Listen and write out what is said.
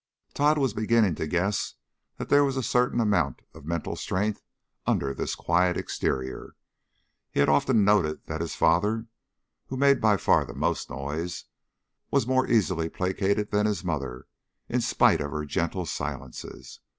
Tod was beginning to guess that there was a certain amount of mental strength under this quiet exterior. He had often noted that his father, who made by far the most noise, was more easily placated than his mother, in spite of her gentle silences.